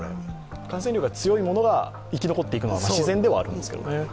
感染力が強いものが生き残っていくのは自然ではあるんですけどね。